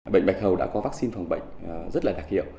bệnh bạch hầu đã có vaccine phòng bệnh rất là đặc hiệu